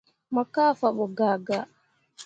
Mo kah fabo gaa gaa.